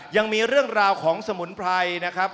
ยังมีเรื่องราวของสมุนไพรนะครับ